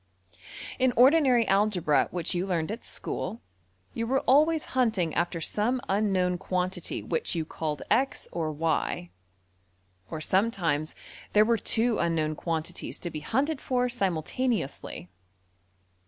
png}% In ordinary algebra which you learned at school, you were always hunting after some unknown quantity which you called $x$ or~$y$; or sometimes there were two unknown quantities to be hunted for simultaneously.